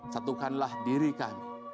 satukanlah diri kami